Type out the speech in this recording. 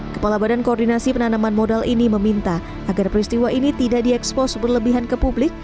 kepala badan koordinasi penanaman modal ini meminta agar peristiwa ini tidak diekspos berlebihan ke publik